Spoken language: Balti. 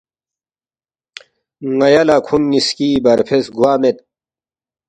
ن٘یا لہ کھونگ نِ٘یسکی برفیس گوا مید